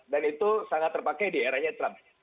dan itu sangat terpakai di eranya trump